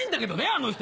あの人。